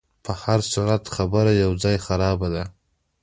په هرصورت خبره یو ځای خرابه ده.